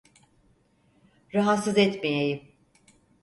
Rahatsız etmeyeyim!